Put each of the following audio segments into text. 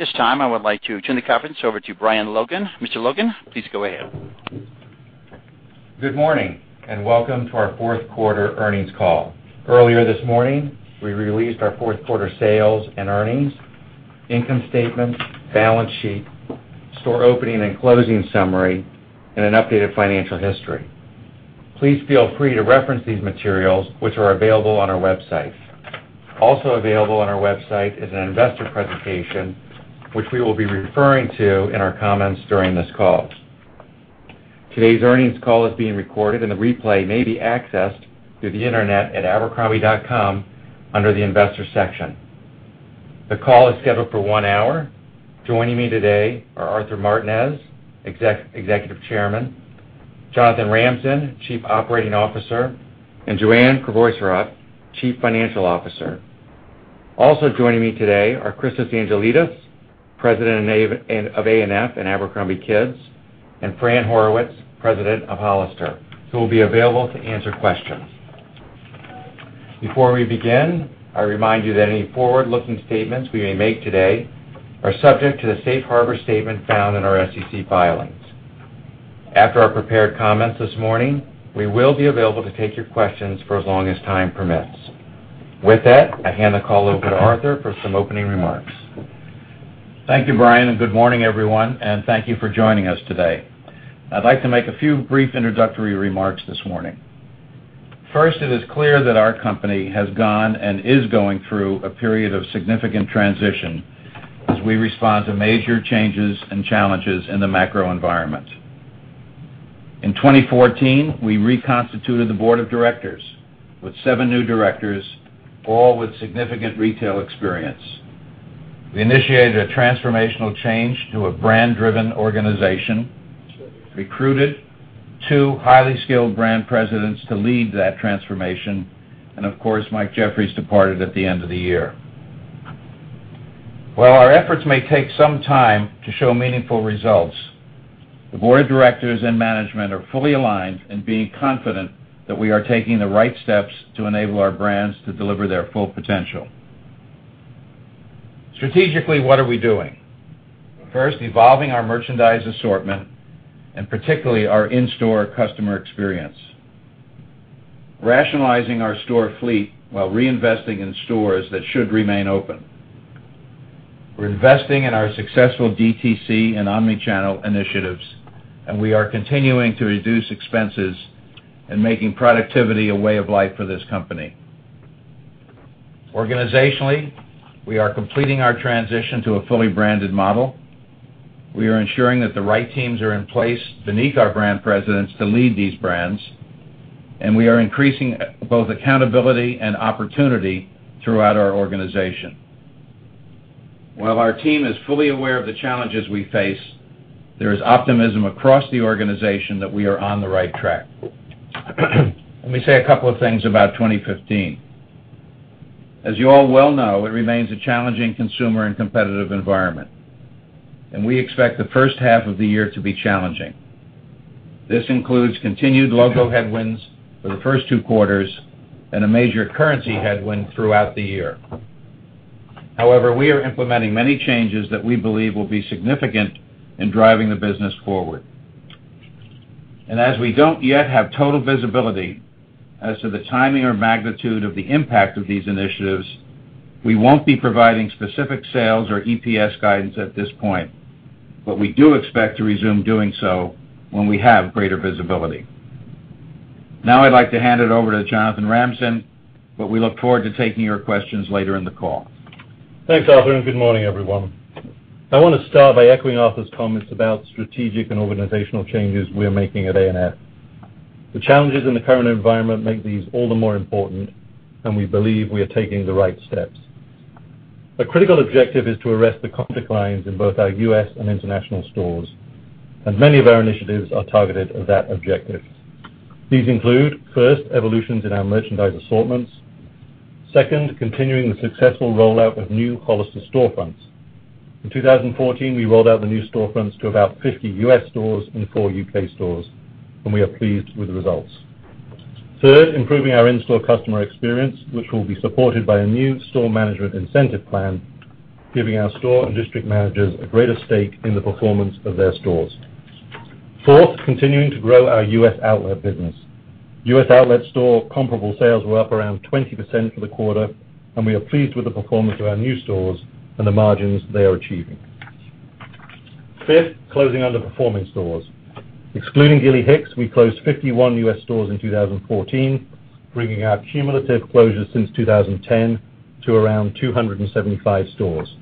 At this time, I would like to turn the conference over to Brian Logan. Mr. Logan, please go ahead. Good morning, and welcome to our fourth quarter earnings call. Earlier this morning, we released our fourth quarter sales and earnings, income statement, balance sheet, store opening and closing summary, and an updated financial history. Please feel free to reference these materials, which are available on our website. Also available on our website is an investor presentation, which we will be referring to in our comments during this call. Today's earnings call is being recorded, and a replay may be accessed through the internet at abercrombie.com under the investor section. The call is scheduled for one hour. Joining me today are Arthur Martinez, Executive Chairman, Jonathan Ramsden, Chief Operating Officer, and Joanne Crevoiserat, Chief Financial Officer. Also joining me today are Christos Angelides, President of A&F and abercrombie kids, and Fran Horowitz, President of Hollister, who will be available to answer questions. Before we begin, I remind you that any forward-looking statements we may make today are subject to the safe harbor statement found in our SEC filings. After our prepared comments this morning, we will be available to take your questions for as long as time permits. With that, I hand the call over to Arthur for some opening remarks. Thank you, Brian, and good morning, everyone, and thank you for joining us today. I'd like to make a few brief introductory remarks this morning. First, it is clear that our company has gone and is going through a period of significant transition as we respond to major changes and challenges in the macro environment. In 2014, we reconstituted the board of directors with seven new directors, all with significant retail experience. We initiated a transformational change to a brand-driven organization, recruited two highly skilled brand presidents to lead that transformation. Of course, Mike Jeffries departed at the end of the year. While our efforts may take some time to show meaningful results, the board of directors and management are fully aligned in being confident that we are taking the right steps to enable our brands to deliver their full potential. Strategically, what are we doing? First, evolving our merchandise assortment, particularly our in-store customer experience. Rationalizing our store fleet while reinvesting in stores that should remain open. We're investing in our successful DTC and omnichannel initiatives, and we are continuing to reduce expenses and making productivity a way of life for this company. Organizationally, we are completing our transition to a fully branded model. We are ensuring that the right teams are in place beneath our brand presidents to lead these brands, and we are increasing both accountability and opportunity throughout our organization. While our team is fully aware of the challenges we face, there is optimism across the organization that we are on the right track. Let me say a couple of things about 2015. As you all well know, it remains a challenging consumer and competitive environment, and we expect the first half of the year to be challenging. This includes continued logo headwinds for the first two quarters and a major currency headwind throughout the year. We are implementing many changes that we believe will be significant in driving the business forward. As we don't yet have total visibility as to the timing or magnitude of the impact of these initiatives, we won't be providing specific sales or EPS guidance at this point. We do expect to resume doing so when we have greater visibility. I'd like to hand it over to Jonathan Ramsden, but we look forward to taking your questions later in the call. Thanks, Arthur, and good morning, everyone. I want to start by echoing Arthur's comments about strategic and organizational changes we're making at A&F. The challenges in the current environment make these all the more important, and we believe we are taking the right steps. A critical objective is to arrest the comp declines in both our U.S. and international stores, and many of our initiatives are targeted at that objective. These include, first, evolutions in our merchandise assortments. Second, continuing the successful rollout of new Hollister store formats. In 2014, we rolled out the new store formats to about 50 U.S. stores and four U.K. stores, and we are pleased with the results. Third, improving our in-store customer experience, which will be supported by a new store management incentive plan, giving our store and district managers a greater stake in the performance of their stores. Fourth, continuing to grow our U.S. outlet business. U.S. outlet store comparable sales were up around 20% for the quarter, and we are pleased with the performance of our new stores and the margins they are achieving. Fifth, closing underperforming stores. Excluding Gilly Hicks, we closed 51 U.S. stores in 2014, bringing our cumulative closures since 2010 to around 275 stores.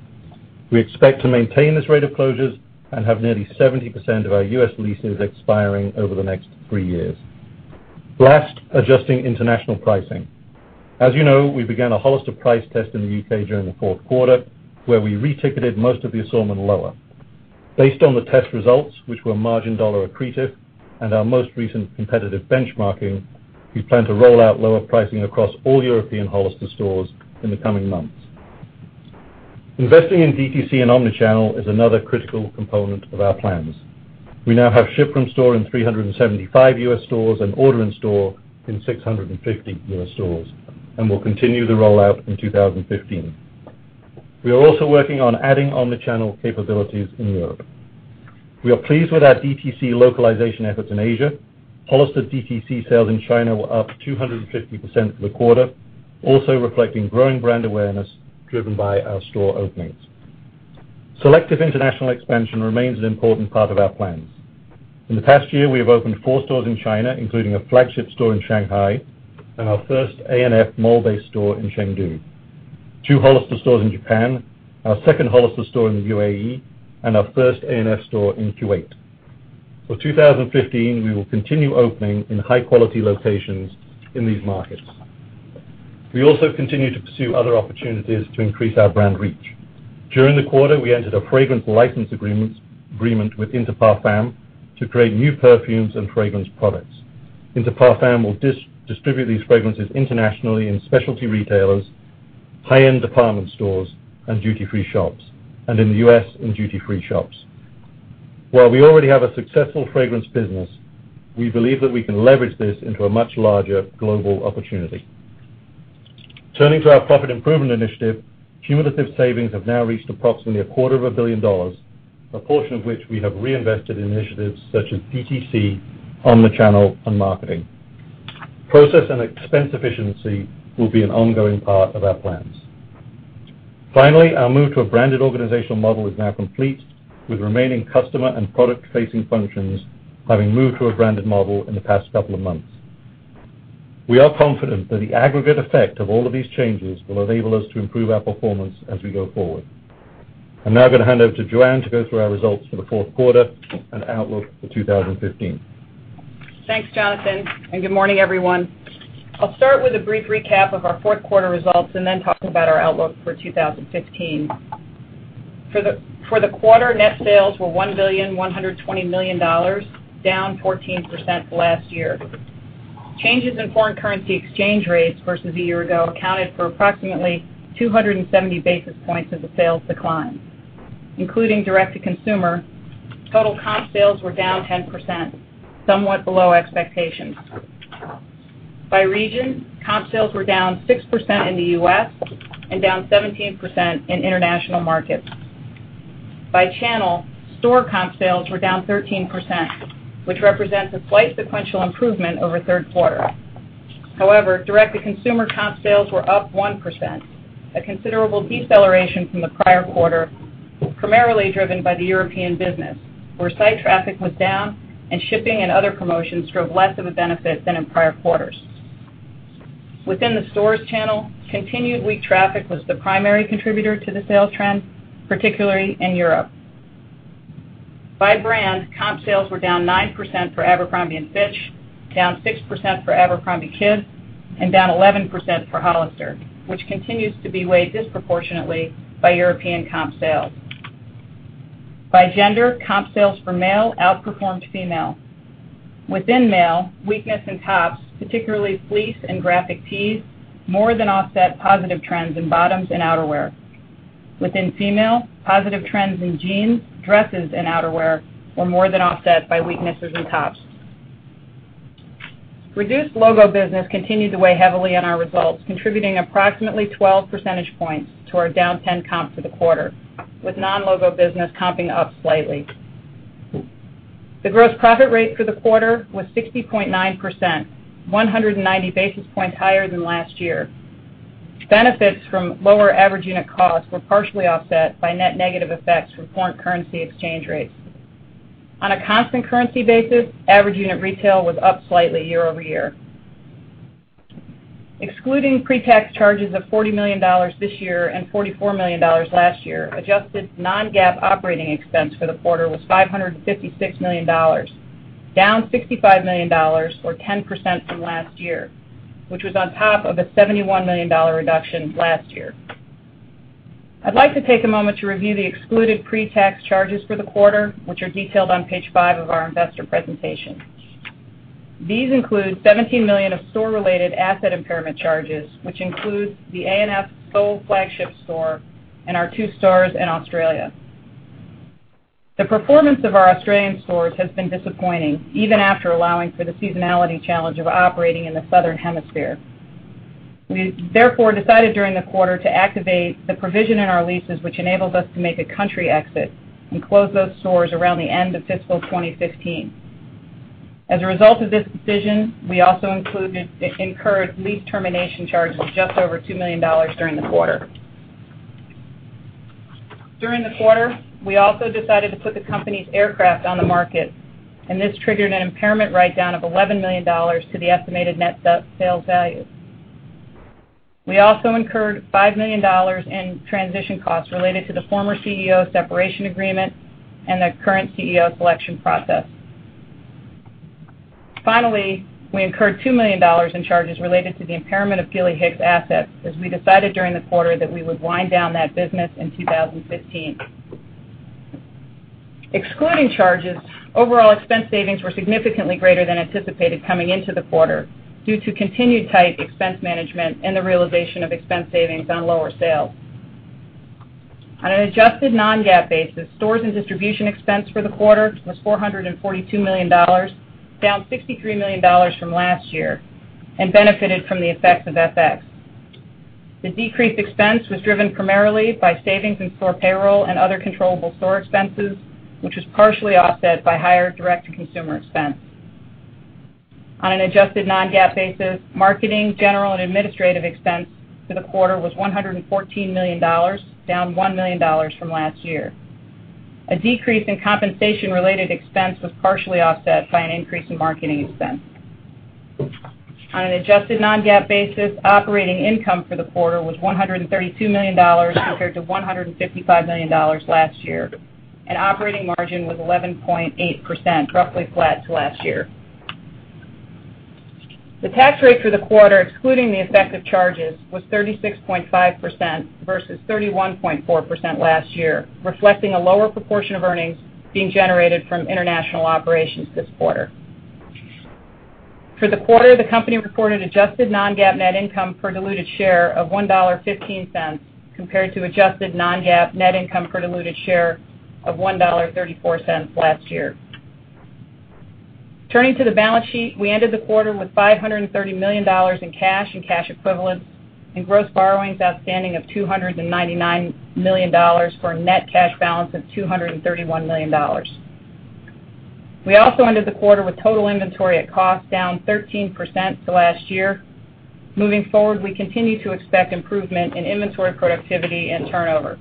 We expect to maintain this rate of closures and have nearly 70% of our U.S. leases expiring over the next three years. Last, adjusting international pricing. As you know, we began a Hollister price test in the U.K. during the fourth quarter, where we reticketed most of the assortment lower. Based on the test results, which were margin dollar accretive, and our most recent competitive benchmarking, we plan to roll out lower pricing across all European Hollister stores in the coming months. Investing in DTC and omnichannel is another critical component of our plans. We now have ship from store in 375 U.S. stores and order in store in 650 U.S. stores, and we'll continue the rollout in 2015. We are also working on adding omnichannel capabilities in Europe. We are pleased with our DTC localization efforts in Asia. Hollister DTC sales in China were up 250% for the quarter, also reflecting growing brand awareness driven by our store openings. Selective international expansion remains an important part of our plans. In the past year, we have opened 4 stores in China, including a flagship store in Shanghai and our first A&F mall-based store in Chengdu, 2 Hollister stores in Japan, our second Hollister store in the UAE, and our first A&F store in Kuwait. For 2015, we will continue opening in high-quality locations in these markets. We also continue to pursue other opportunities to increase our brand reach. During the quarter, we entered a fragrance license agreement with Inter Parfums to create new perfumes and fragrance products. Inter Parfums will distribute these fragrances internationally in specialty retailers, high-end department stores, and duty-free shops, and in the U.S. in duty-free shops. While we already have a successful fragrance business, we believe that we can leverage this into a much larger global opportunity. Turning to our profit improvement initiative, cumulative savings have now reached approximately a quarter of a billion dollars, a portion of which we have reinvested in initiatives such as DTC, omnichannel, and marketing. Process and expense efficiency will be an ongoing part of our plans. Finally, our move to a branded organizational model is now complete with remaining customer and product-facing functions having moved to a branded model in the past couple of months. We are confident that the aggregate effect of all of these changes will enable us to improve our performance as we go forward. I'm now going to hand over to Joanne to go through our results for the fourth quarter and outlook for 2015. Thanks, Jonathan. Good morning, everyone. I'll start with a brief recap of our fourth quarter results and then talk about our outlook for 2015. For the quarter, net sales were $1,120,000,000, down 14% from last year. Changes in foreign currency exchange rates versus a year ago accounted for approximately 270 basis points of the sales decline. Including direct-to-consumer, total comp sales were down 10%, somewhat below expectations. By region, comp sales were down 6% in the U.S. and down 17% in international markets. By channel, store comp sales were down 13%, which represents a slight sequential improvement over the third quarter. However, direct-to-consumer comp sales were up 1%, a considerable deceleration from the prior quarter, primarily driven by the European business, where site traffic was down and shipping and other promotions drove less of a benefit than in prior quarters. Within the stores channel, continued weak traffic was the primary contributor to the sales trend, particularly in Europe. By brand, comp sales were down 9% for Abercrombie & Fitch, down 6% for abercrombie kids, and down 11% for Hollister, which continues to be weighed disproportionately by European comp sales. By gender, comp sales for male outperformed female. Within male, weakness in tops, particularly fleece and graphic tees, more than offset positive trends in bottoms and outerwear. Within female, positive trends in jeans, dresses, and outerwear were more than offset by weaknesses in tops. Reduced logo business continued to weigh heavily on our results, contributing approximately 12 percentage points to our down 10 comps for the quarter, with non-logo business comping up slightly. The gross profit rate for the quarter was 60.9%, 190 basis points higher than last year. Benefits from lower average unit costs were partially offset by net negative effects from foreign currency exchange rates. On a constant currency basis, average unit retail was up slightly year-over-year. Excluding pre-tax charges of $40 million this year and $44 million last year, adjusted non-GAAP operating expense for the quarter was $556 million, down $65 million or 10% from last year, which was on top of a $71 million reduction last year. I'd like to take a moment to review the excluded pre-tax charges for the quarter, which are detailed on page five of our investor presentation. These include $17 million of store-related asset impairment charges, which includes the A&F Seoul flagship store and our two stores in Australia. The performance of our Australian stores has been disappointing, even after allowing for the seasonality challenge of operating in the Southern Hemisphere. We, therefore, decided during the quarter to activate the provision in our leases, which enables us to make a country exit and close those stores around the end of fiscal 2016. As a result of this decision, we also incurred lease termination charges of just over $2 million during the quarter. During the quarter, we also decided to put the company's aircraft on the market, and this triggered an impairment write-down of $11 million to the estimated net sales value. We also incurred $5 million in transition costs related to the former CEO's separation agreement and the current CEO selection process. Finally, we incurred $2 million in charges related to the impairment of Gilly Hicks assets as we decided during the quarter that we would wind down that business in 2015. Excluding charges, overall expense savings were significantly greater than anticipated coming into the quarter due to continued tight expense management and the realization of expense savings on lower sales. On an adjusted non-GAAP basis, stores and distribution expense for the quarter was $442 million, down $63 million from last year, and benefited from the effects of FX. The decreased expense was driven primarily by savings in store payroll and other controllable store expenses, which was partially offset by higher direct-to-consumer expense. On an adjusted non-GAAP basis, marketing, general, and administrative expense for the quarter was $114 million, down $1 million from last year. A decrease in compensation-related expense was partially offset by an increase in marketing expense. On an adjusted non-GAAP basis, operating income for the quarter was $132 million compared to $155 million last year, and operating margin was 11.8%, roughly flat to last year. The tax rate for the quarter, excluding the effect of charges, was 36.5% versus 31.4% last year, reflecting a lower proportion of earnings being generated from international operations this quarter. For the quarter, the company reported adjusted non-GAAP net income per diluted share of $1.15, compared to adjusted non-GAAP net income per diluted share of $1.34 last year. Turning to the balance sheet, we ended the quarter with $530 million in cash and cash equivalents and gross borrowings outstanding of $299 million for a net cash balance of $231 million. We also ended the quarter with total inventory at cost down 13% to last year. Moving forward, we continue to expect improvement in inventory productivity and turnover.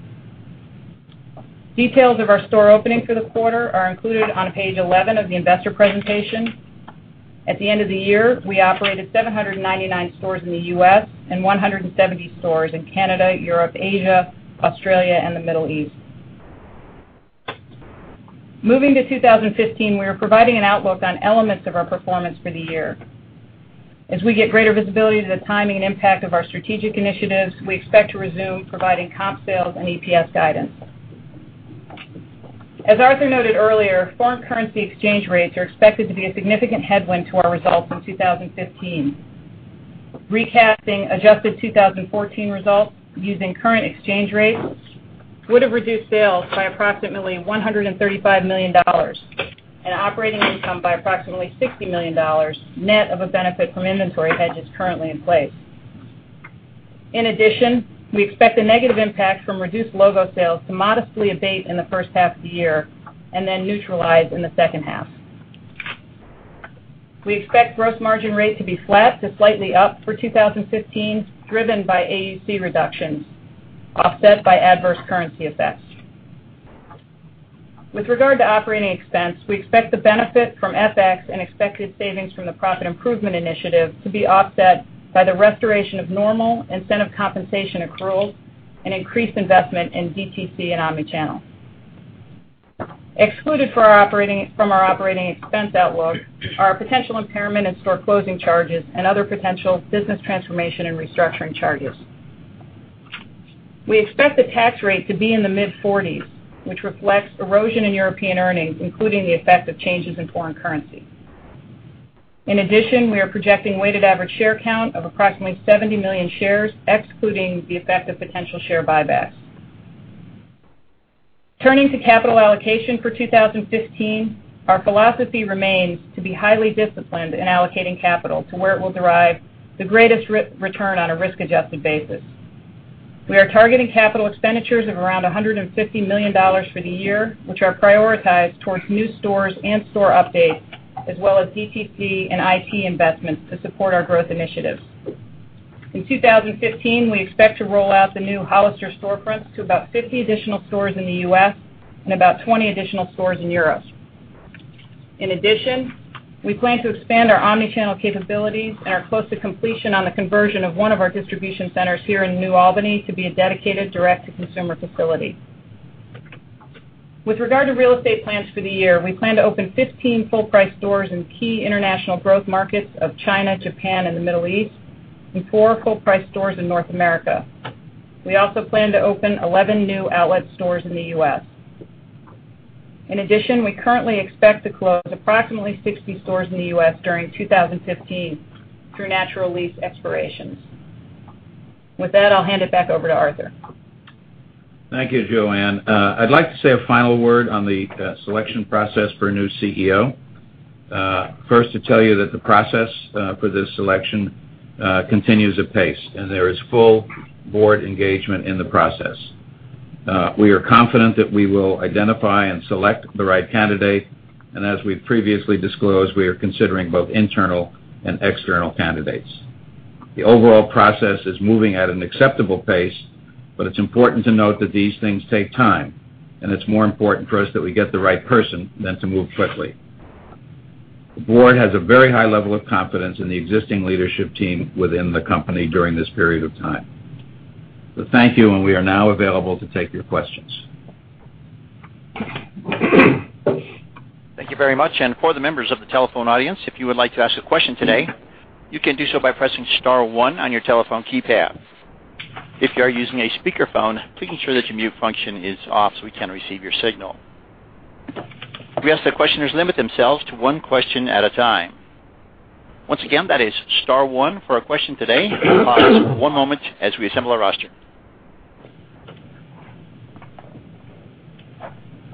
Details of our store openings for the quarter are included on page 11 of the investor presentation. At the end of the year, we operated 799 stores in the U.S. and 170 stores in Canada, Europe, Asia, Australia, and the Middle East. Moving to 2015, we are providing an outlook on elements of our performance for the year. As we get greater visibility to the timing and impact of our strategic initiatives, we expect to resume providing comp sales and EPS guidance. As Arthur noted earlier, foreign currency exchange rates are expected to be a significant headwind to our results in 2015. Recasting adjusted 2014 results using current exchange rates would have reduced sales by approximately $135 million and operating income by approximately $60 million, net of a benefit from inventory hedges currently in place. In addition, we expect a negative impact from reduced logo sales to modestly abate in the first half of the year and then neutralize in the second half. We expect gross margin rate to be flat to slightly up for 2015, driven by AUC reductions, offset by adverse currency effects. With regard to operating expense, we expect the benefit from FX and expected savings from the profit improvement initiative to be offset by the restoration of normal incentive compensation accruals and increased investment in DTC and omnichannel. Excluded from our operating expense outlook are potential impairment and store closing charges and other potential business transformation and restructuring charges. We expect the tax rate to be in the mid-40s, which reflects erosion in European earnings, including the effect of changes in foreign currency. In addition, we are projecting weighted average share count of approximately 70 million shares, excluding the effect of potential share buybacks. Turning to capital allocation for 2015, our philosophy remains to be highly disciplined in allocating capital to where it will derive the greatest return on a risk-adjusted basis. We are targeting capital expenditures of around $150 million for the year, which are prioritized towards new stores and store updates, as well as DTC and IT investments to support our growth initiatives. In 2015, we expect to roll out the new Hollister storefront to about 50 additional stores in the U.S. and about 20 additional stores in Europe. In addition, we plan to expand our omnichannel capabilities and are close to completion on the conversion of one of our distribution centers here in New Albany to be a dedicated direct-to-consumer facility. With regard to real estate plans for the year, we plan to open 15 full-price stores in key international growth markets of China, Japan, and the Middle East, and four full-price stores in North America. We also plan to open 11 new outlet stores in the U.S. In addition, we currently expect to close approximately 60 stores in the U.S. during 2015 through natural lease expirations. With that, I'll hand it back over to Arthur. Thank you, Joanne. I'd like to say a final word on the selection process for a new CEO. First, to tell you that the process for this selection continues at pace, and there is full board engagement in the process. We are confident that we will identify and select the right candidate, and as we've previously disclosed, we are considering both internal and external candidates. The overall process is moving at an acceptable pace, but it's important to note that these things take time, and it's more important for us that we get the right person than to move quickly. The board has a very high level of confidence in the existing leadership team within the company during this period of time. Thank you, and we are now available to take your questions. Thank you very much. For the members of the telephone audience, if you would like to ask a question today, you can do so by pressing *1 on your telephone keypad. If you are using a speakerphone, please ensure that your mute function is off so we can receive your signal. We ask that questioners limit themselves to one question at a time. Once again, that is star one for a question today. One moment as we assemble our roster.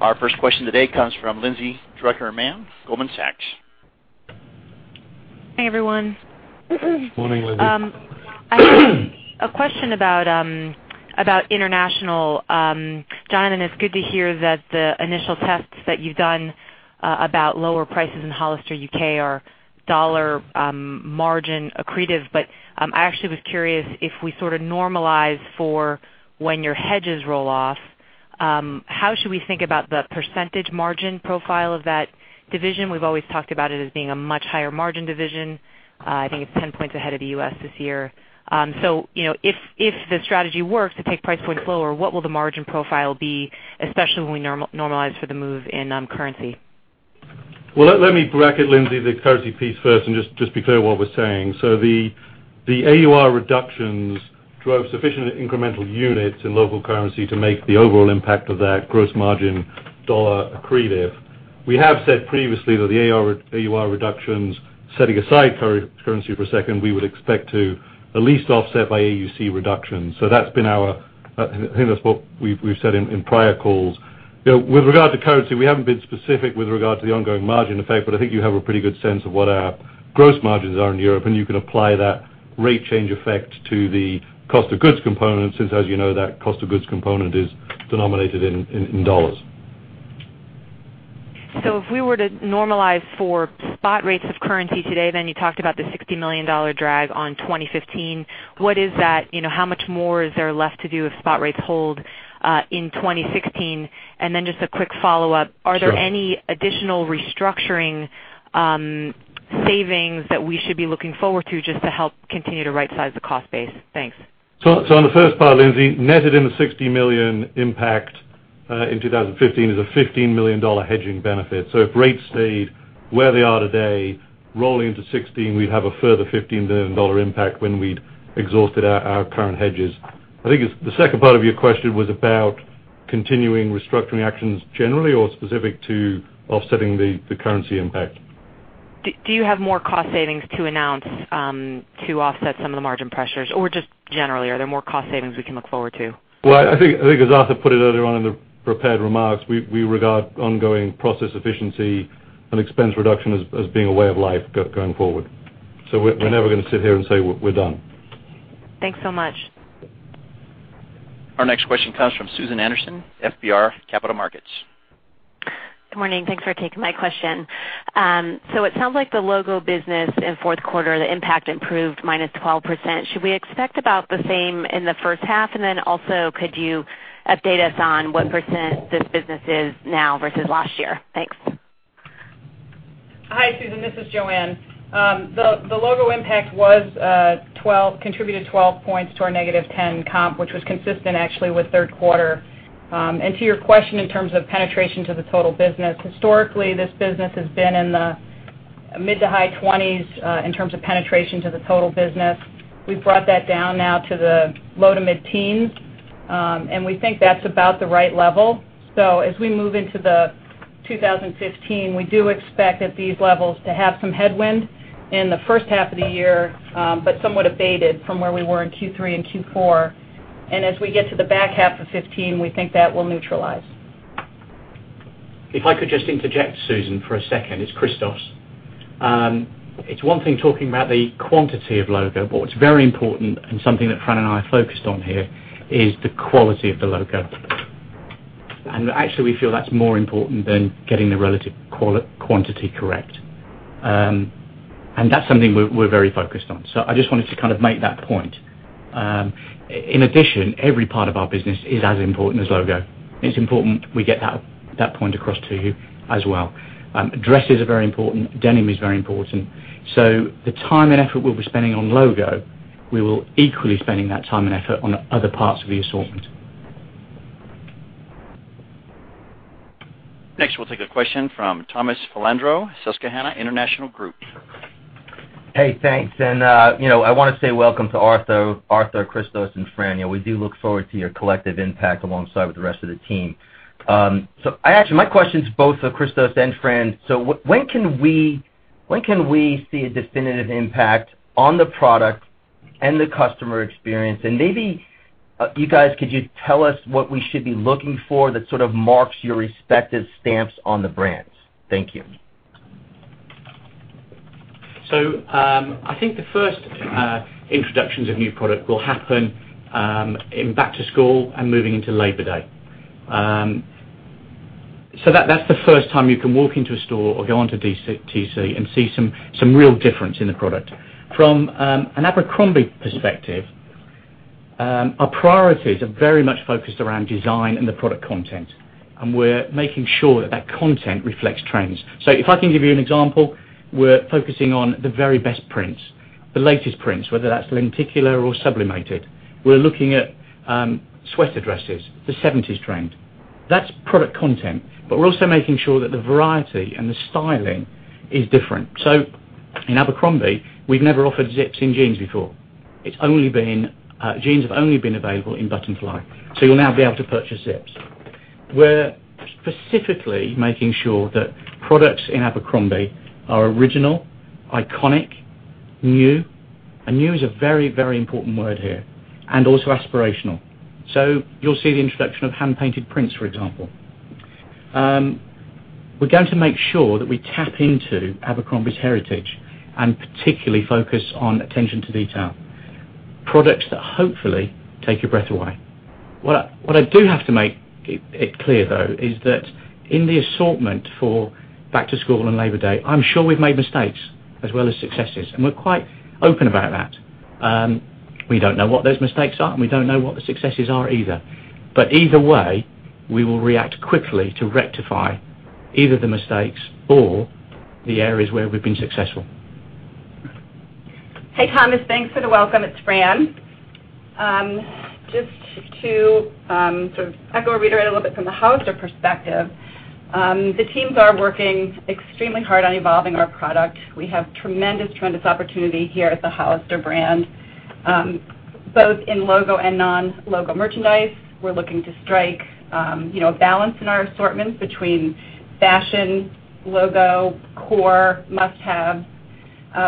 Our first question today comes from Lindsay Drucker Mann, Goldman Sachs. Hey, everyone. Morning, Lindsay. I have a question about international. John, it's good to hear that the initial tests that you've done about lower prices in Hollister U.K. are dollar margin accretive. I actually was curious if we sort of normalize for when your hedges roll off, how should we think about the percentage margin profile of that division? We've always talked about it as being a much higher margin division. I think it's 10 points ahead of the U.S. this year. If the strategy works to take price points lower, what will the margin profile be, especially when we normalize for the move in currency? Well, let me bracket, Lindsay, the currency piece first and just be clear what we're saying. The AUR reductions drove sufficient incremental units in local currency to make the overall impact of that gross margin dollar accretive. We have said previously that the AUR reductions, setting aside currency for a second, we would expect to at least offset by AUC reductions. I think that's what we've said in prior calls. With regard to currency, we haven't been specific with regard to the ongoing margin effect, but I think you have a pretty good sense of what our gross margins are in Europe, and you can apply that rate change effect to the cost of goods component, since, as you know, that cost of goods component is denominated in dollars. If we were to normalize for spot rates of currency today, you talked about the $60 million drag on 2015. What is that? How much more is there left to do if spot rates hold, in 2016? Just a quick follow-up. Sure. Are there any additional restructuring savings that we should be looking forward to just to help continue to right-size the cost base? Thanks. On the first part, Lindsay, netted in the $60 million impact, in 2015, is a $15 million hedging benefit. If rates stayed where they are today, rolling into 2016, we'd have a further $15 million impact when we'd exhausted our current hedges. I think the second part of your question was about continuing restructuring actions generally or specific to offsetting the currency impact. Do you have more cost savings to announce, to offset some of the margin pressures, or just generally, are there more cost savings we can look forward to? Well, I think as Arthur put it earlier on in the prepared remarks, we regard ongoing process efficiency and expense reduction as being a way of life going forward. We're never going to sit here and say, "We're done. Thanks so much. Our next question comes from Susan Anderson, FBR Capital Markets. Good morning. Thanks for taking my question. It sounds like the logo business in the fourth quarter, the impact improved -12%. Should we expect about the same in the first half? Could you update us on what % this business is now versus last year? Thanks. Hi, Susan. This is Joanne. The logo impact contributed 12 points to our -10 comp, which was consistent actually with the third quarter. To your question in terms of penetration to the total business, historically, this business has been in the mid to high 20s, in terms of penetration to the total business. We've brought that down now to the low to mid-teens. We think that's about the right level. As we move into 2015, we do expect at these levels to have some headwind in the first half of the year, but somewhat abated from where we were in Q3 and Q4. As we get to the back half of 2015, we think that will neutralize. If I could just interject, Susan, for a second. It's Christos. It's one thing talking about the quantity of logo, but what's very important and something that Fran and I focused on here is the quality of the logo. Actually, we feel that's more important than getting the relative quantity correct. That's something we're very focused on. I just wanted to kind of make that point. In addition, every part of our business is as important as logo. It's important we get that point across to you as well. Dresses are very important. Denim is very important. The time and effort we'll be spending on logo, we will equally be spending that time and effort on other parts of the assortment. Next, we'll take a question from Tom Filandro, Susquehanna International Group. Hey, thanks. I want to say welcome to Arthur, Christos, and Fran. We do look forward to your collective impact alongside the rest of the team. Actually, my question is both for Christos and Fran. When can we see a definitive impact on the product and the customer experience? Maybe you guys, could you tell us what we should be looking for that sort of marks your respective stamps on the brands? Thank you. I think the first introductions of new product will happen in back to school and moving into Labor Day. That's the first time you can walk into a store or go onto DTC and see some real difference in the product. From an Abercrombie perspective, our priorities are very much focused around design and the product content, and we're making sure that that content reflects trends. If I can give you an example, we're focusing on the very best prints, the latest prints, whether that's lenticular or sublimated. We're looking at sweater dresses, the '70s trend. That's product content. We're also making sure that the variety and the styling is different. In Abercrombie, we've never offered zips in jeans before. Jeans have only been available in button fly. You'll now be able to purchase zips. We're specifically making sure that products in Abercrombie are original, iconic, new, and new is a very important word here, and also aspirational. You'll see the introduction of hand-painted prints, for example. We're going to make sure that we tap into Abercrombie's heritage, and particularly focus on attention to detail. Products that hopefully take your breath away. What I do have to make it clear, though, is that in the assortment for back to school and Labor Day, I'm sure we've made mistakes as well as successes, and we're quite open about that. We don't know what those mistakes are, and we don't know what the successes are either. Either way, we will react quickly to rectify either the mistakes or the areas where we've been successful. Hey, Thomas. Thanks for the welcome. It's Fran. Just to sort of echo or reiterate a little bit from the Hollister perspective, the teams are working extremely hard on evolving our product. We have tremendous opportunity here at the Hollister brand. Both in logo and non-logo merchandise. We're looking to strike a balance in our assortments between fashion, logo, core, must-haves.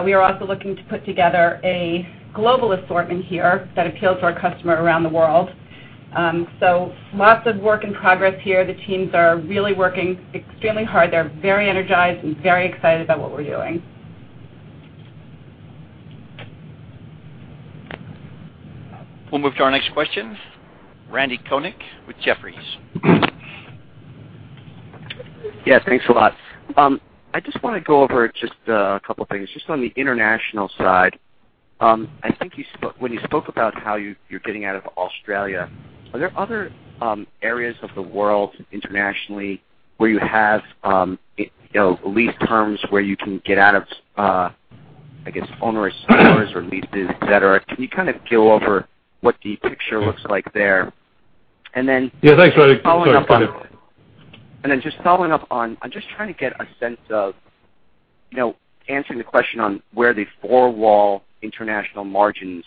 We are also looking to put together a global assortment here that appeals to our customer around the world. Lots of work in progress here. The teams are really working extremely hard. They're very energized and very excited about what we're doing. We'll move to our next question. Randal Konik with Jefferies. Thanks a lot. I just want to go over just a couple of things. Just on the international side. I think when you spoke about how you're getting out of Australia, are there other areas of the world internationally where you have lease terms where you can get out of, I guess, onerous terms or leases, et cetera? Can you kind of go over what the picture looks like there? Then- Yeah, thanks, Randy. Sorry. Just following up on, I'm just trying to get a sense of answering the question on where the four-wall international margins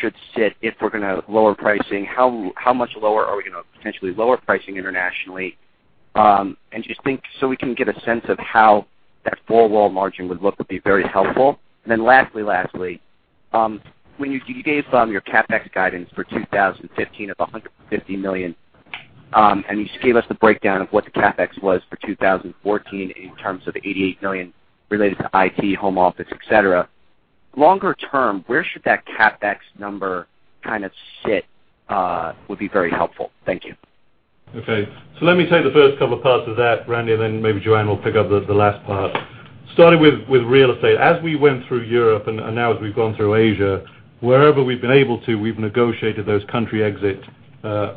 should sit if we're going to lower pricing. How much lower are we going to potentially lower pricing internationally? Just think so we can get a sense of how that four-wall margin would look would be very helpful. Lastly, when you gave your CapEx guidance for 2015 of $150 million, and you gave us the breakdown of what the CapEx was for 2014 in terms of $88 million related to IT, home office, et cetera. Longer term, where should that CapEx number kind of sit would be very helpful. Thank you. Okay. Let me take the first couple of parts of that, Randy, then maybe Joanne will pick up the last part. Starting with real estate. As we went through Europe and now as we've gone through Asia, wherever we've been able to, we've negotiated those country exit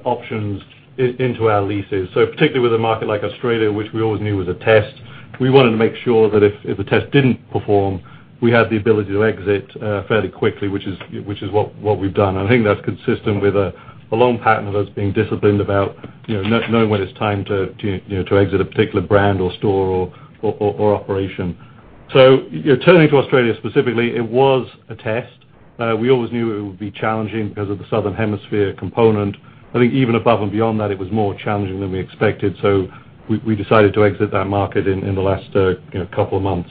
options into our leases. Particularly with a market like Australia, which we always knew was a test, we wanted to make sure that if the test didn't perform, we had the ability to exit fairly quickly, which is what we've done. I think that's consistent with a long pattern of us being disciplined about knowing when it's time to exit a particular brand or store or operation. Turning to Australia specifically, it was a test. We always knew it would be challenging because of the Southern Hemisphere component. I think even above and beyond that, it was more challenging than we expected. We decided to exit that market in the last couple of months.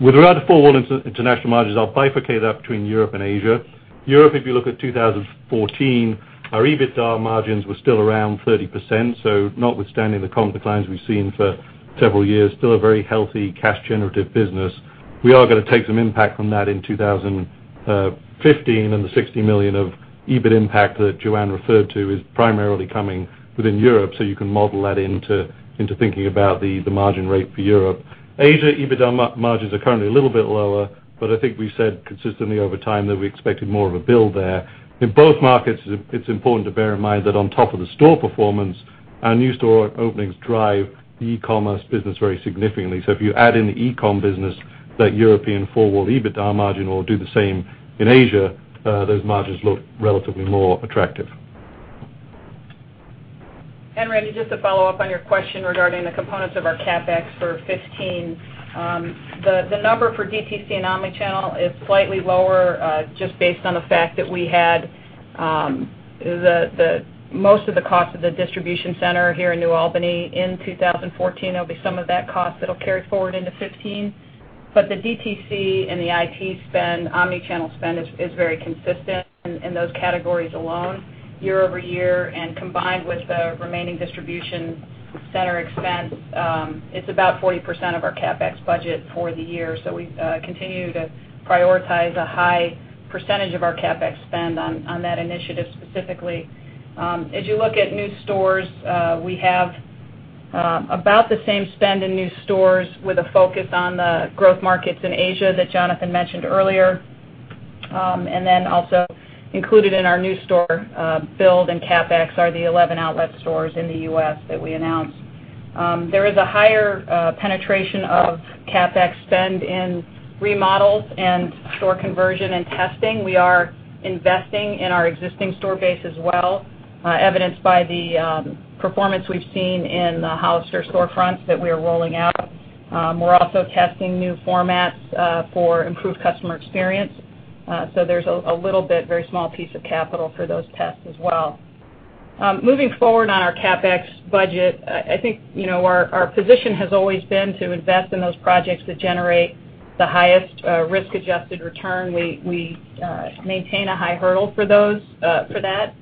With regard to four-wall international margins, I'll bifurcate that between Europe and Asia. Europe, if you look at 2014, our EBITDA margins were still around 30%. Notwithstanding the comp declines we've seen for several years, still a very healthy cash generative business. We are going to take some impact from that in 2015, and the $60 million of EBIT impact that Joanne referred to is primarily coming within Europe, so you can model that into thinking about the margin rate for Europe. Asia EBITDA margins are currently a little bit lower, but I think we said consistently over time that we expected more of a build there. In both markets, it's important to bear in mind that on top of the store performance, our new store openings drive the e-commerce business very significantly. If you add in the e-com business, that European four-wall EBITDA margin will do the same in Asia. Those margins look relatively more attractive. Randy, just to follow up on your question regarding the components of our CapEx for 2015. The number for DTC and omnichannel is slightly lower just based on the fact that we had most of the cost of the distribution center here in New Albany in 2014. There'll be some of that cost that'll carry forward into 2015. The DTC and the IT spend, omnichannel spend is very consistent in those categories alone year-over-year, and combined with the remaining distribution center expense, it's about 40% of our CapEx budget for the year. We continue to prioritize a high percentage of our CapEx spend on that initiative specifically. As you look at new stores, we have about the same spend in new stores with a focus on the growth markets in Asia that Jonathan mentioned earlier. Also included in our new store build and CapEx are the 11 outlet stores in the U.S. that we announced. There is a higher penetration of CapEx spend in remodels and store conversion and testing. We are investing in our existing store base as well, evidenced by the performance we've seen in the Hollister store format that we are rolling out. We're also testing new formats for improved customer experience. There's a little bit, very small piece of capital for those tests as well. Moving forward on our CapEx budget, I think our position has always been to invest in those projects that generate the highest risk-adjusted return. We maintain a high hurdle for that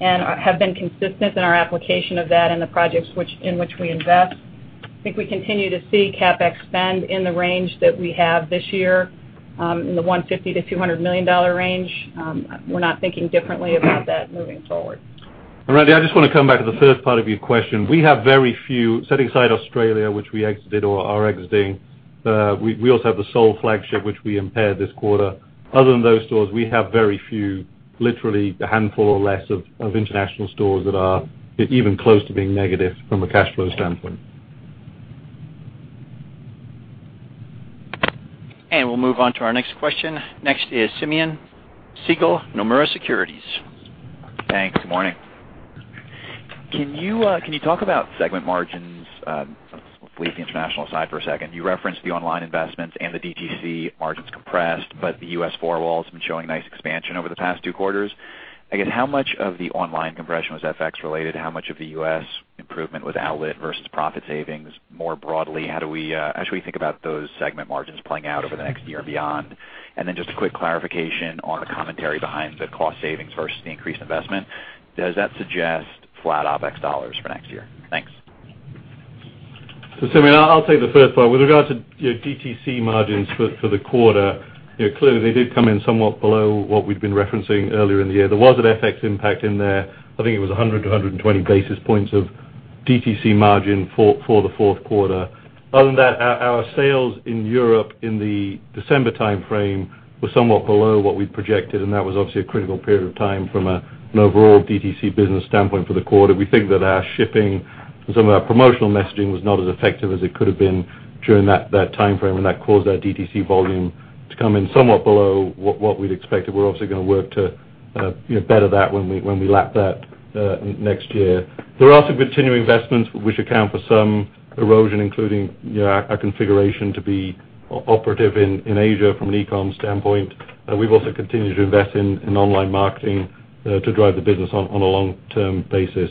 and have been consistent in our application of that in the projects in which we invest. I think we continue to see CapEx spend in the range that we have this year, in the $150 million-$200 million range. We're not thinking differently about that moving forward. Randal, I just want to come back to the first part of your question. We have very few, setting aside Australia, which we exited or are exiting. We also have the Seoul flagship, which we impaired this quarter. Other than those stores, we have very few, literally a handful or less of international stores that are even close to being negative from a cash flow standpoint. We'll move on to our next question. Next is Simeon Siegel, Nomura Securities. Thanks. Good morning. Can you talk about segment margins? Let's leave the international side for a second. You referenced the online investments and the DTC margins compressed, but the U.S. four-wall's been showing nice expansion over the past two quarters. I guess how much of the online compression was FX related? How much of the U.S. improvement was outlet versus profit savings? More broadly, how should we think about those segment margins playing out over the next year and beyond? Then just a quick clarification on the commentary behind the cost savings versus the increased investment. Does that suggest flat OPEX dollars for next year? Thanks. Simeon, I'll take the first part. With regard to DTC margins for the quarter, clearly they did come in somewhat below what we'd been referencing earlier in the year. There was an FX impact in there. I think it was 100 to 120 basis points of DTC margin for the fourth quarter. Other than that, our sales in Europe in the December timeframe were somewhat below what we'd projected, and that was obviously a critical period of time from an overall DTC business standpoint for the quarter. We think that our shipping and some of our promotional messaging was not as effective as it could have been during that timeframe, and that caused our DTC volume to come in somewhat below what we'd expected. We're obviously going to work to better that when we lap that next year. There are also continuing investments which account for some erosion, including our configuration to be operative in Asia from an e-com standpoint. We've also continued to invest in online marketing to drive the business on a long-term basis.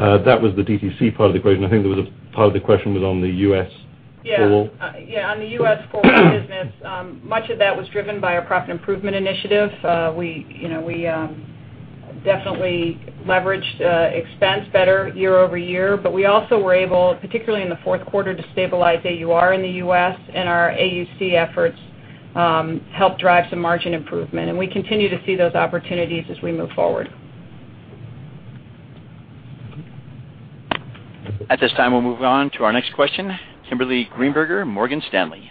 That was the DTC part of the equation. I think part of the question was on the U.S. four-wall. Yeah. On the U.S. four-wall business, much of that was driven by our profit improvement initiative. We definitely leveraged expense better year-over-year, but we also were able, particularly in the fourth quarter, to stabilize AUR in the U.S., and our AUC efforts helped drive some margin improvement. We continue to see those opportunities as we move forward. At this time, we'll move on to our next question, Kimberly Greenberger, Morgan Stanley.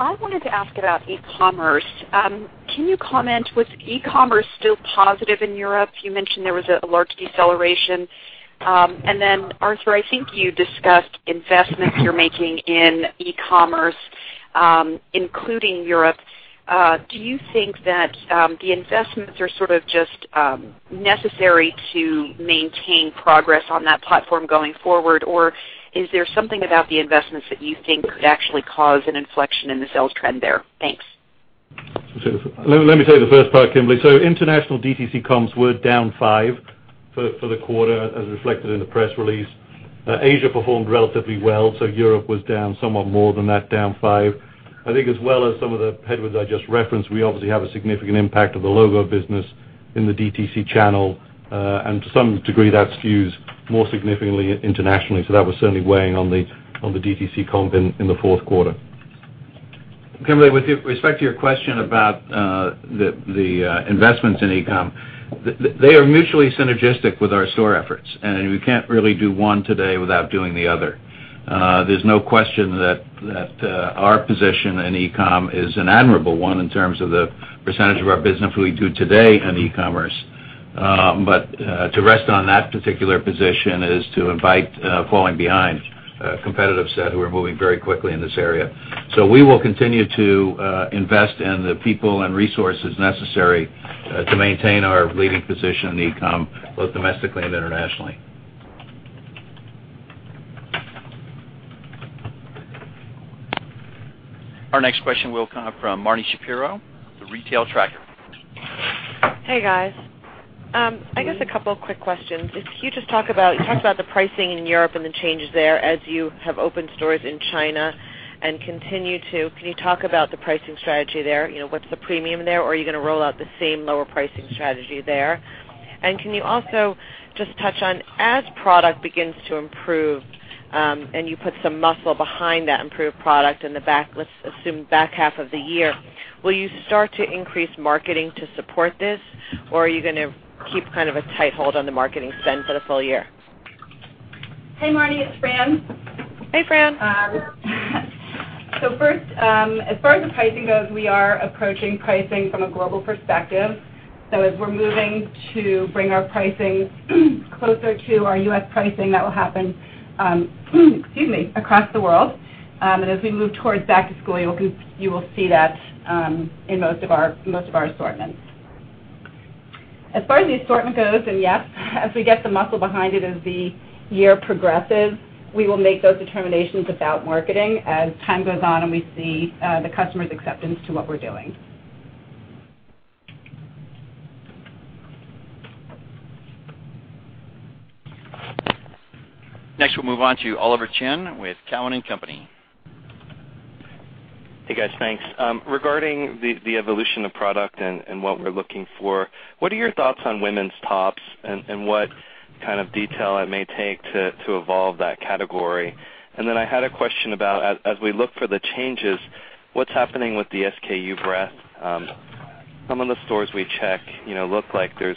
I wanted to ask about e-commerce. Can you comment, was e-commerce still positive in Europe? You mentioned there was a large deceleration. Then Arthur, I think you discussed investments you're making in e-commerce, including Europe. Do you think that the investments are sort of just necessary to maintain progress on that platform going forward? Or is there something about the investments that you think could actually cause an inflection in the sales trend there? Thanks. Let me take the first part, Kimberly. International DTC comps were down 5% for the quarter, as reflected in the press release. Asia performed relatively well, Europe was down somewhat more than that, down 5%. I think as well as some of the headwinds I just referenced, we obviously have a significant impact of the logo business in the DTC channel. To some degree, that skews more significantly internationally. That was certainly weighing on the DTC comp in the fourth quarter. Kimberly, with respect to your question about the investments in e-com, they are mutually synergistic with our store efforts, we can't really do one today without doing the other. There's no question that our position in e-com is an admirable one in terms of the percentage of our business we do today in e-commerce. To rest on that particular position is to invite falling behind a competitive set who are moving very quickly in this area. We will continue to invest in the people and resources necessary to maintain our leading position in e-com, both domestically and internationally. Our next question will come from Marni Shapiro, The Retail Tracker. Hey, guys. I guess a couple of quick questions. You talked about the pricing in Europe and the changes there as you have opened stores in China and continue to. Can you talk about the pricing strategy there? What's the premium there, or are you going to roll out the same lower pricing strategy there? Can you also just touch on, as product begins to improve and you put some muscle behind that improved product in the back, let's assume back half of the year, will you start to increase marketing to support this, or are you going to keep kind of a tight hold on the marketing spend for the full year? Hey, Marni, it's Fran. Hey, Fran. First, as far as the pricing goes, we are approaching pricing from a global perspective. As we're moving to bring our pricing closer to our U.S. pricing, that will happen excuse me, across the world. As we move towards back-to-school, you will see that in most of our assortments. As far as the assortment goes, yes, as we get the muscle behind it as the year progresses, we will make those determinations about marketing as time goes on and we see the customer's acceptance to what we're doing. Next, we'll move on to Oliver Chen with Cowen and Company. Hey, guys. Thanks. Regarding the evolution of product and what we're looking for, what are your thoughts on women's tops and what kind of detail it may take to evolve that category? I had a question about, as we look for the changes, what's happening with the SKU breadth. Some of the stores we check look like there's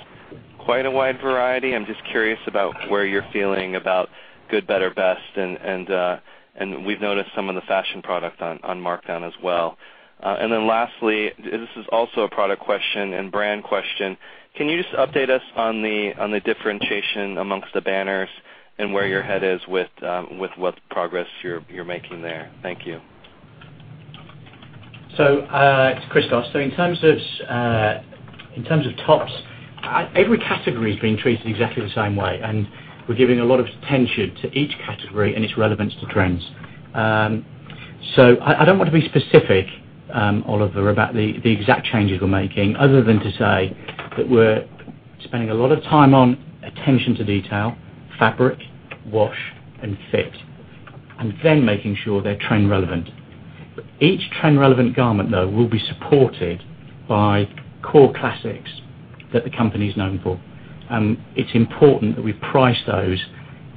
quite a wide variety. I'm just curious about where you're feeling about good, better, best, and we've noticed some of the fashion product on markdown as well. Lastly, this is also a product question and brand question, can you just update us on the differentiation amongst the banners and where your head is with what progress you're making there? Thank you. It's Christos. In terms of tops, every category is being treated exactly the same way, and we're giving a lot of attention to each category and its relevance to trends. I don't want to be specific, Oliver, about the exact changes we're making other than to say that we're spending a lot of time on attention to detail, fabric, wash, and fit, making sure they're trend relevant. Each trend-relevant garment, though, will be supported by core classics that the company is known for. It's important that we price those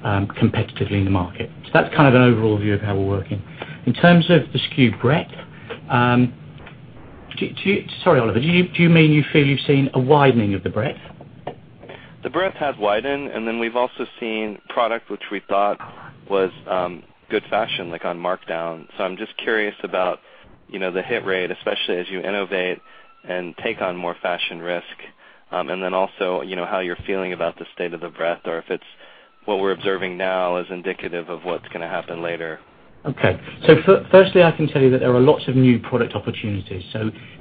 competitively in the market. That's kind of an overall view of how we're working. In terms of the SKU breadth. Sorry, Oliver, do you mean you feel you've seen a widening of the breadth? The breadth has widened. We've also seen product which we thought was good fashion, like on markdown. I'm just curious about the hit rate, especially as you innovate and take on more fashion risk. Also, how you're feeling about the state of the breadth, or if what we're observing now is indicative of what's going to happen later. Okay. Firstly, I can tell you that there are lots of new product opportunities.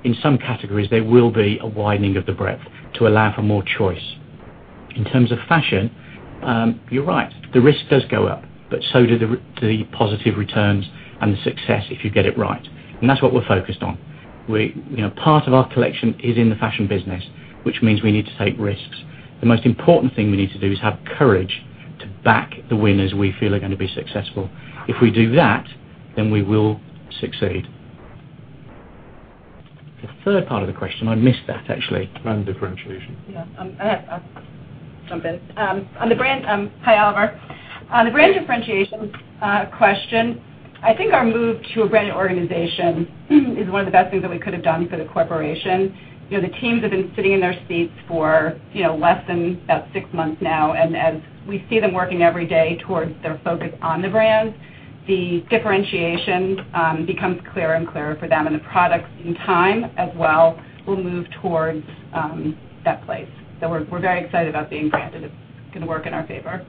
In some categories, there will be a widening of the breadth to allow for more choice. In terms of fashion, you're right. The risk does go up, but the positive returns and the success if you get it right, That's what we're focused on. Part of our collection is in the fashion business, which means we need to take risks. The most important thing we need to do is have courage to back the winners we feel are going to be successful. If we do that, we will succeed. The third part of the question, I missed that, actually. Brand differentiation. Yeah. I'll jump in. Hi, Oliver. On the brand differentiation question, I think our move to a branded organization is one of the best things that we could have done for the corporation. The teams have been sitting in their seats for less than about six months now, as we see them working every day towards their focus on the brand, the differentiation becomes clearer and clearer for them. The products, in time as well, will move towards that place. We're very excited about being branded. It's going to work in our favor.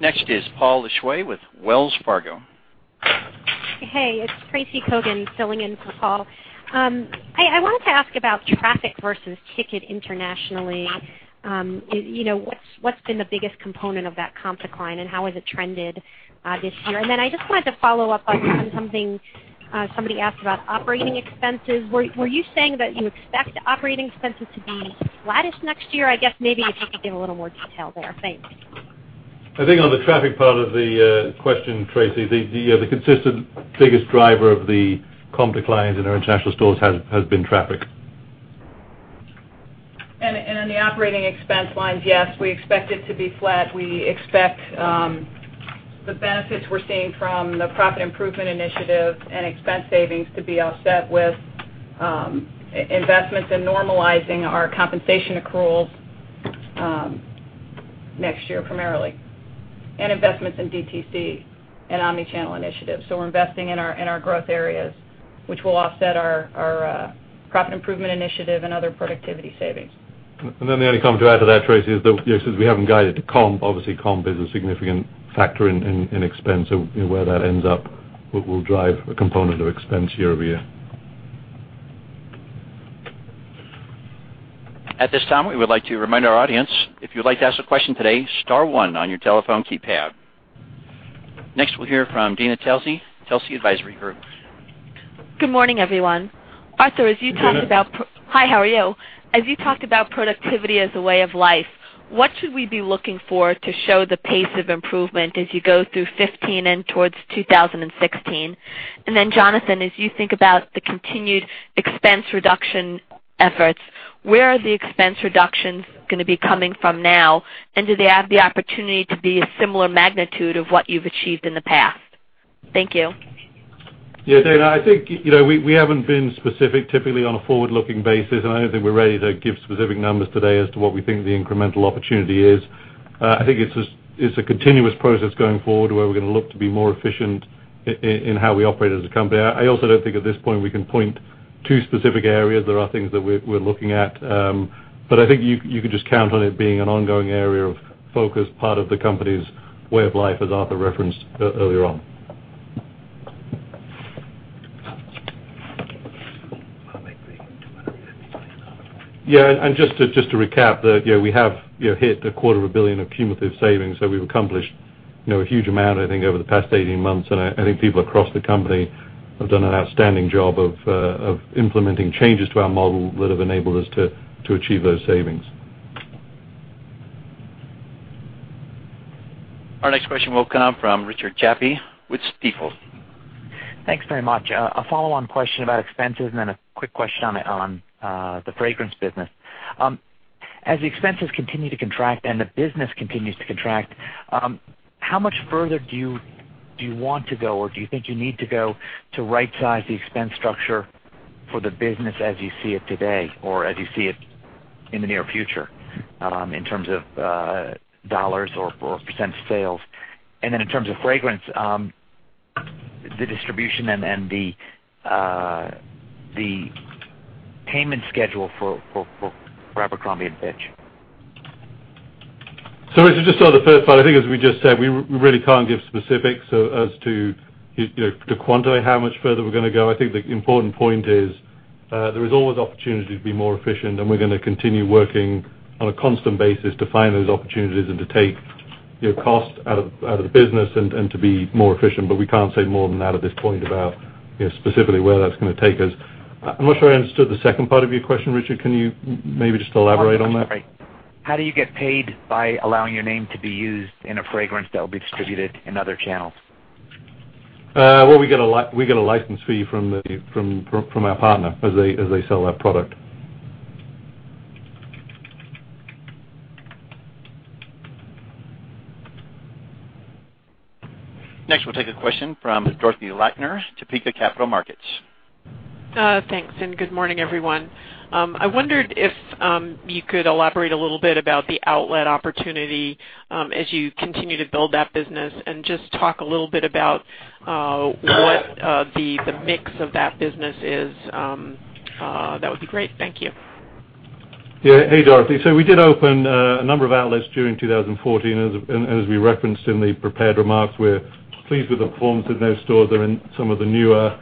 Next is Paul Lejuez with Wells Fargo. Hey, it's Tracy Cogan filling in for Paul. I wanted to ask about traffic versus ticket internationally. What's been the biggest component of that comp decline, and how has it trended this year? I just wanted to follow up on something somebody asked about operating expenses. Were you saying that you expect operating expenses to be flattish next year? I guess maybe if you could give a little more detail there. Thanks. I think on the traffic part of the question, Tracy, the consistent biggest driver of the comp declines in our international stores has been traffic. On the operating expense lines, yes, we expect it to be flat. We expect the benefits we're seeing from the profit improvement initiative and expense savings to be offset with investments in normalizing our compensation accruals next year, primarily. Investments in DTC and omnichannel initiatives. We're investing in our growth areas, which will offset our profit improvement initiative and other productivity savings. The only comment to add to that, Tracy, is that since we haven't guided to comp, obviously comp is a significant factor in expense. Where that ends up will drive a component of expense year-over-year. At this time, we would like to remind our audience, if you'd like to ask a question today, star one on your telephone keypad. Next, we'll hear from Dana Telsey Advisory Group. Good morning, everyone. Good morning. Hi, how are you? As you talked about productivity as a way of life, what should we be looking for to show the pace of improvement as you go through 2015 and towards 2016? Jonathan, as you think about the continued expense reduction efforts, where are the expense reductions going to be coming from now? Do they have the opportunity to be a similar magnitude of what you've achieved in the past? Thank you. Dana, I think we haven't been specific, typically, on a forward-looking basis. I don't think we're ready to give specific numbers today as to what we think the incremental opportunity is. I think it's a continuous process going forward, where we're going to look to be more efficient in how we operate as a company. I also don't think at this point we can point to specific areas. There are things that we're looking at. I think you could just count on it being an ongoing area of focus, part of the company's way of life, as Arthur referenced earlier on. Just to recap, we have hit a quarter of a billion of cumulative savings that we've accomplished a huge amount, I think, over the past 18 months. I think people across the company have done an outstanding job of implementing changes to our model that have enabled us to achieve those savings. Our next question will come from Richard Jaffe with Stifel. Thanks very much. A follow-on question about expenses and then a quick question on the fragrance business. As the expenses continue to contract and the business continues to contract, how much further do you want to go, or do you think you need to go to right-size the expense structure for the business as you see it today, or as you see it in the near future, in terms of dollars or percent sales? Then in terms of fragrance, the distribution and the payment schedule for Abercrombie & Fitch. Richard, just on the first part, I think as we just said, we really can't give specifics as to quantitate how much further we're going to go. I think the important point is there is always opportunity to be more efficient, and we're going to continue working on a constant basis to find those opportunities and to take cost out of the business and to be more efficient. We can't say more than that at this point about specifically where that's going to take us. I'm not sure I understood the second part of your question, Richard. Can you maybe just elaborate on that? How do you get paid by allowing your name to be used in a fragrance that will be distributed in other channels? Well, we get a license fee from our partner as they sell our product. Next, we'll take a question from Dorothy Lakner, Topeka Capital Markets. Thanks, and good morning, everyone. I wondered if you could elaborate a little bit about the outlet opportunity as you continue to build that business, and just talk a little bit about what the mix of that business is. That would be great. Thank you. Yeah. Hey, Dorothy. We did open a number of outlets during 2014, as we referenced in the prepared remarks, we're pleased with the performance of those stores. They're in some of the newer,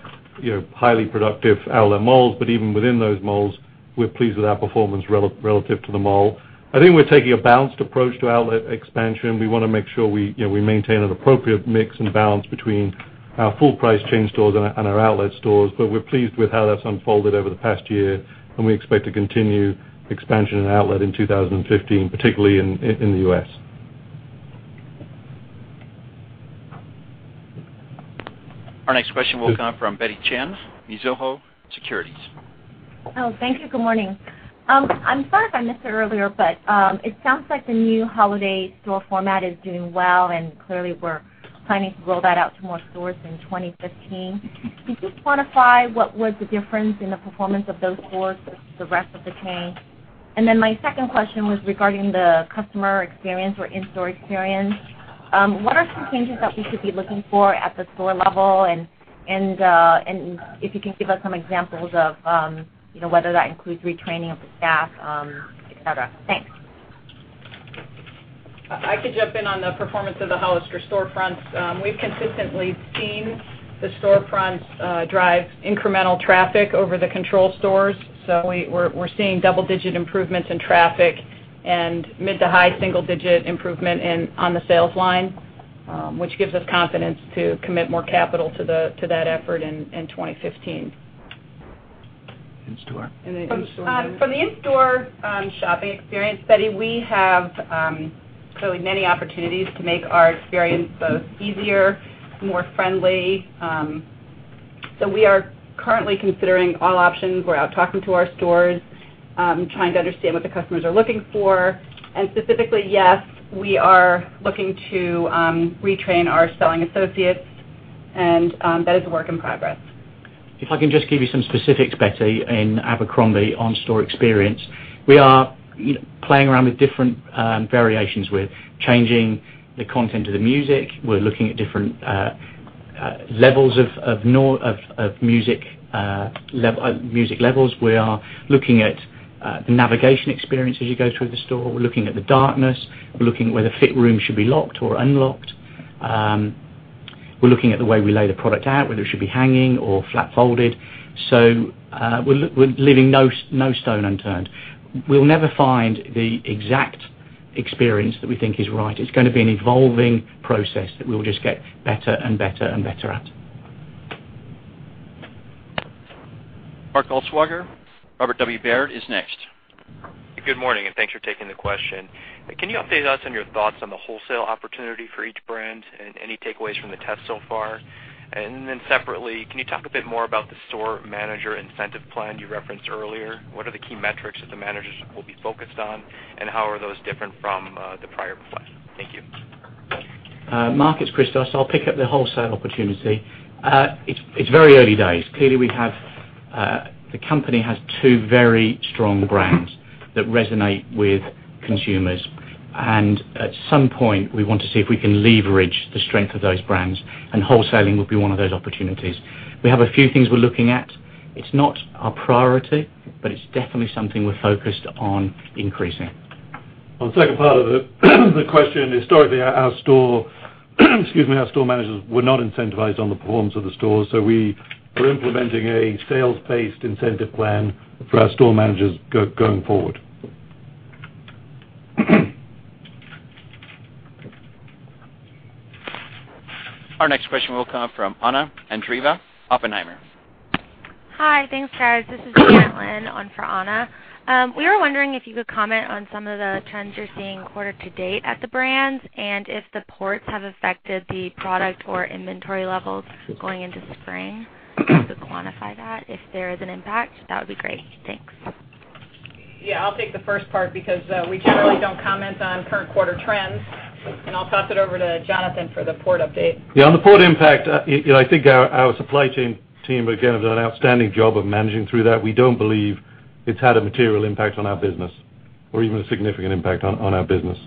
highly productive outlet malls. Even within those malls, we're pleased with our performance relative to the mall. I think we're taking a balanced approach to outlet expansion. We want to make sure we maintain an appropriate mix and balance between our full-price chain stores and our outlet stores. We're pleased with how that's unfolded over the past year, and we expect to continue expansion in outlet in 2015, particularly in the U.S. Our next question will come from Betty Chen, Mizuho Securities. Thank you. Good morning. I'm sorry if I missed it earlier, it sounds like the new Hollister store format is doing well. Clearly, we're planning to roll that out to more stores in 2015. Can you just quantify what was the difference in the performance of those stores versus the rest of the chain? My second question was regarding the customer experience or in-store experience. What are some changes that we should be looking for at the store level? If you can give us some examples of whether that includes retraining of the staff, et cetera. Thanks. I could jump in on the performance of the Hollister storefronts. We've consistently seen the storefronts drive incremental traffic over the control stores. We're seeing double-digit improvements in traffic and mid to high single-digit improvement on the sales line, which gives us confidence to commit more capital to that effort in 2015. In store. The in-store. For the in-store shopping experience, Betty, we have clearly many opportunities to make our experience both easier, more friendly. We are currently considering all options. We're out talking to our stores, trying to understand what the customers are looking for. Specifically, yes, we are looking to retrain our selling associates, and that is a work in progress. If I can just give you some specifics, Betty, in Abercrombie on store experience. We are playing around with different variations. We're changing the content of the music. We're looking at different music levels. We are looking at the navigation experience as you go through the store. We're looking at the darkness. We're looking at whether fit rooms should be locked or unlocked. We're looking at the way we lay the product out, whether it should be hanging or flat folded. We're leaving no stone unturned. We'll never find the exact experience that we think is right. It's going to be an evolving process that we'll just get better and better at. Mark Altschwager, Robert W. Baird & Co. is next. Good morning, thanks for taking the question. Can you update us on your thoughts on the wholesale opportunity for each brand and any takeaways from the test so far? Then separately, can you talk a bit more about the store manager incentive plan you referenced earlier? What are the key metrics that the managers will be focused on, and how are those different from the prior plan? Thank you. Mark, it's Christos. I'll pick up the wholesale opportunity. It's very early days. Clearly, the company has two very strong brands that resonate with consumers. At some point, we want to see if we can leverage the strength of those brands. Wholesaling will be one of those opportunities. We have a few things we're looking at. It's not our priority, but it's definitely something we're focused on increasing. On the second part of the question, historically, our store managers were not incentivized on the performance of the stores. We are implementing a sales-based incentive plan for our store managers going forward. Our next question will come from Anna Andreeva, Oppenheimer. Hi. Thanks, guys. This is Lynn on for Anna. We were wondering if you could comment on some of the trends you're seeing quarter to date at the brands, if the ports have affected the product or inventory levels going into spring. If you could quantify that, if there is an impact, that would be great. Thanks. Yeah, I'll take the first part because we generally don't comment on current quarter trends. I'll toss it over to Jonathan for the port update. Yeah, on the port impact, I think our supply team again have done an outstanding job of managing through that. We don't believe it's had a material impact on our business or even a significant impact on our business.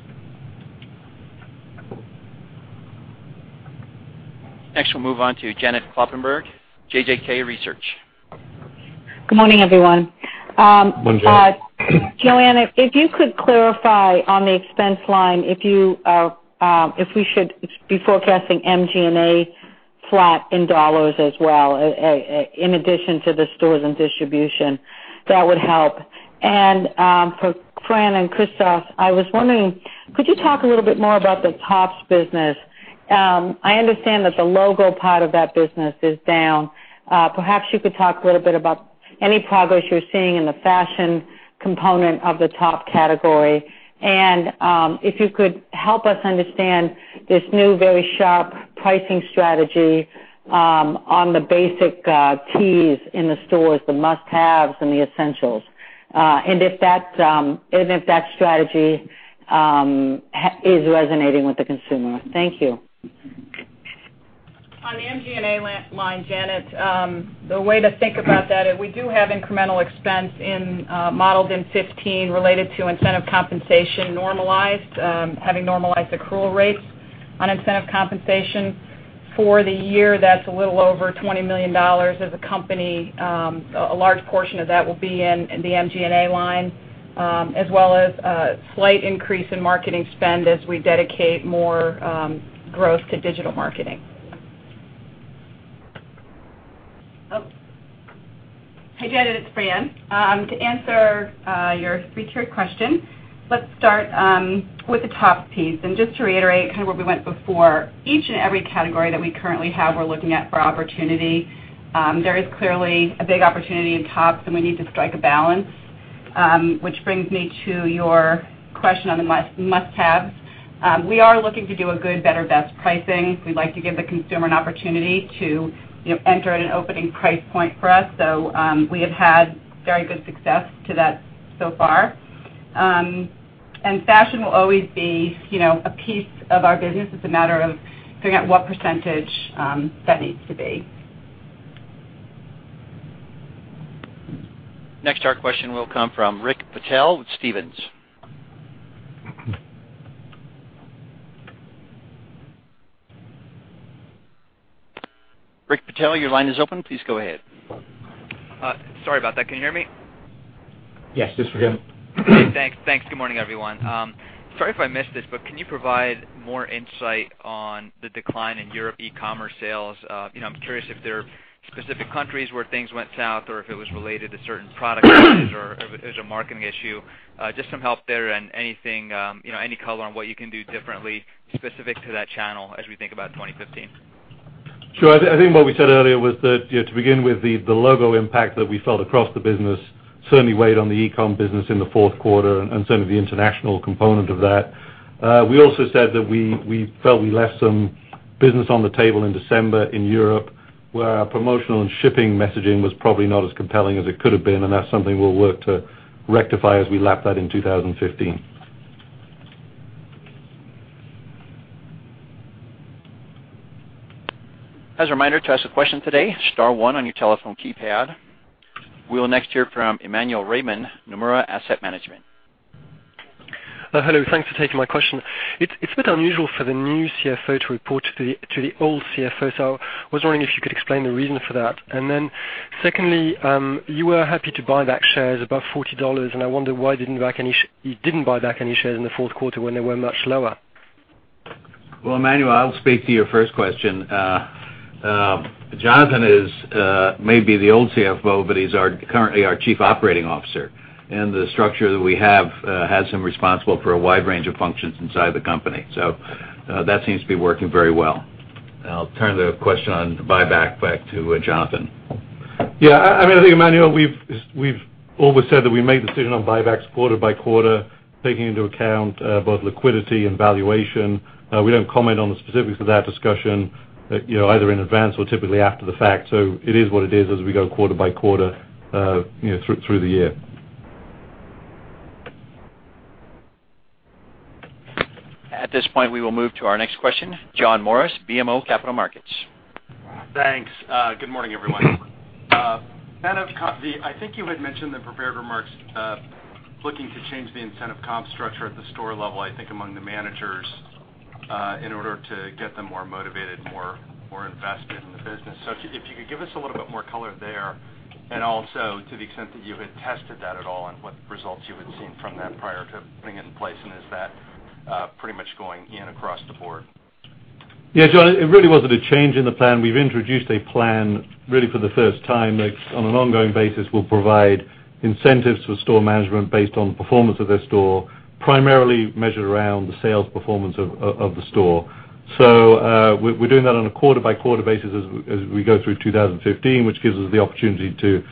Next, we'll move on to Janet Kloppenburg, JJK Research. Good morning, everyone. Morning. Joanne, if you could clarify on the expense line, if we should be forecasting MD&A flat in dollars as well, in addition to the stores and distribution, that would help. For Fran and Christos, I was wondering, could you talk a little bit more about the tops business? I understand that the logo part of that business is down. Perhaps you could talk a little bit about any progress you're seeing in the fashion component of the top category. If you could help us understand this new very sharp pricing strategy on the basic keys in the stores, the must-haves and the essentials. If that strategy is resonating with the consumer. Thank you. On the MD&A line, Janet, the way to think about that is we do have incremental expense modeled in 2015 related to incentive compensation normalized, having normalized accrual rates on incentive compensation. For the year, that's a little over $20 million as a company. A large portion of that will be in the MD&A line, as well as a slight increase in marketing spend as we dedicate more growth to digital marketing. Hey, Janet, it's Fran. To answer your three-tiered question, let's start with the top piece. Just to reiterate kind of where we went before, each and every category that we currently have, we're looking at for opportunity. There is clearly a big opportunity in tops, and we need to strike a balance. Which brings me to your question on the must-haves. We are looking to do a good, better, best pricing. We'd like to give the consumer an opportunity to enter at an opening price point for us. We have had very good success to that so far. Fashion will always be a piece of our business. It's a matter of figuring out what percentage that needs to be. Next, our question will come from Rakesh Patel with Stephens. Rakesh Patel, your line is open. Please go ahead. Sorry about that. Can you hear me? Yes, this is him. Thanks. Good morning, everyone. Sorry if I missed this, can you provide more insight on the decline in Europe e-commerce sales? I am curious if there are specific countries where things went south or if it was related to certain product lines or if it was a marketing issue. Just some help there and any color on what you can do differently specific to that channel as we think about 2015. Sure. I think what we said earlier was that, to begin with, the logo impact that we felt across the business certainly weighed on the e-com business in the fourth quarter and certainly the international component of that. We also said that we felt we left some business on the table in December in Europe, where our promotional and shipping messaging was probably not as compelling as it could have been, that's something we will work to rectify as we lap that in 2015. As a reminder, to ask a question today, star one on your telephone keypad. We will next hear from Simeon Siegel, Nomura Asset Management. Hello, thanks for taking my question. It's a bit unusual for the new CFO to report to the old CFO. I was wondering if you could explain the reason for that. Secondly, you were happy to buy back shares above $40, and I wonder why you didn't buy back any shares in the fourth quarter when they were much lower. Well, Simeon, I'll speak to your first question. Jonathan is maybe the old CFO, but he's currently our Chief Operating Officer. The structure that we have has him responsible for a wide range of functions inside the company. That seems to be working very well. I'll turn the question on the buyback back to Jonathan. Yeah. I think, Simeon, we've always said that we make decision on buybacks quarter by quarter, taking into account both liquidity and valuation. We don't comment on the specifics of that discussion, either in advance or typically after the fact. It is what it is as we go quarter by quarter through the year. At this point, we will move to our next question, John Morris, BMO Capital Markets. Thanks. Good morning, everyone. I think you had mentioned in prepared remarks, looking to change the incentive comp structure at the store level, I think among the managers, in order to get them more motivated, more invested in the business. If you could give us a little bit more color there, and also to the extent that you had tested that at all and what results you had seen from that prior to putting it in place, and is that pretty much going in across the board? John, it really wasn't a change in the plan. We've introduced a plan really for the first time that on an ongoing basis will provide incentives for store management based on the performance of their store, primarily measured around the sales performance of the store. We're doing that on a quarter-by-quarter basis as we go through 2015, which gives us the opportunity to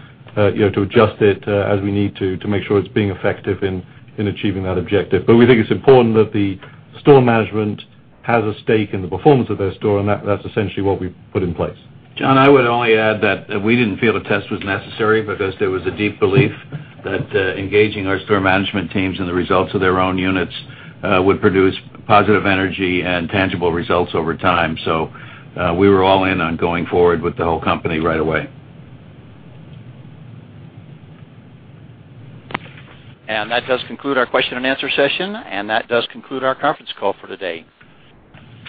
adjust it as we need to make sure it's being effective in achieving that objective. We think it's important that the store management has a stake in the performance of their store, and that's essentially what we've put in place. John, I would only add that we didn't feel a test was necessary because there was a deep belief that engaging our store management teams in the results of their own units would produce positive energy and tangible results over time. We were all in on going forward with the whole company right away. That does conclude our question and answer session, and that does conclude our conference call for today.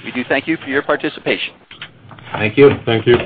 We do thank you for your participation. Thank you. Thank you.